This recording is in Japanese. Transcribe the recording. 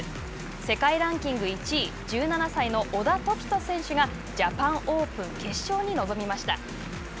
世界ランキング１位１７歳の小田凱人選手がジャパンオープン決勝に臨みました。